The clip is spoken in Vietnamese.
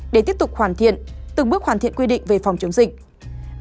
để tiếp tục hoàn thiện từng bước hoàn thiện quy định về phòng chống dịch